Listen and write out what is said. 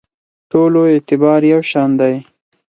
ټولو اعتبار یو شان دی.